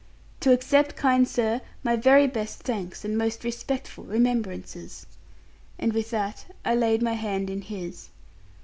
'To accept, kind sir, my very best thanks, and most respectful remembrances.' And with that, I laid my hand in his.